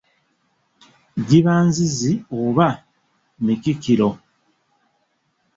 Giba nzizi oba mikikiro.